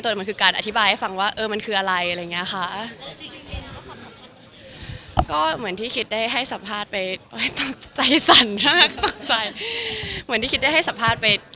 เหมือนที่คิดได้ให้สัมภาษณ์ไป